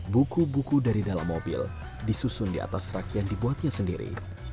buku buku dari dalam mobil disusun di atas rak yang dibuatnya sendiri